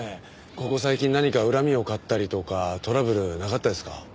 ここ最近何か恨みを買ったりとかトラブルなかったですか？